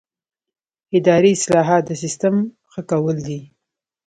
اداري اصلاحات د سیسټم ښه کول دي